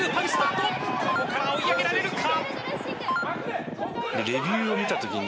ここから追い上げられるか！